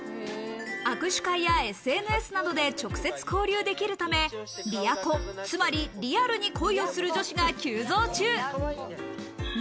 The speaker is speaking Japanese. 握手会やＳＮＳなどで直接交流できるため、リアコ、つまりリアルに恋をする女子が急増中。